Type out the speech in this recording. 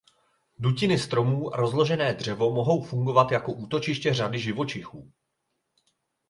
Dutiny stromů a rozložené dřevo mohou fungovat jako útočiště řady živočichů.